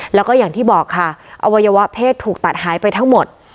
แล้วก็อย่างที่บอกค่ะอวัยวะเพศถูกตัดหายไปทั้งหมด